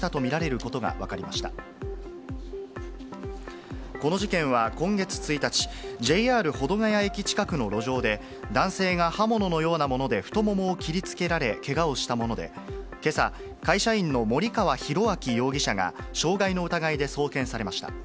この事件は今月１日、ＪＲ保土ケ谷駅近くの路上で、男性が刃物のようなもので太ももを切りつけられけがをしたもので、けさ、会社員の森川浩昭容疑者が傷害の疑いで送検されました。